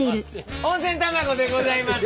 温泉卵でございます。